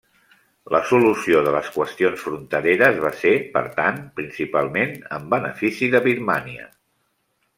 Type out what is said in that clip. La solució de les qüestions frontereres va ser, per tant, principalment en benefici de Birmània.